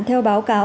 theo báo cáo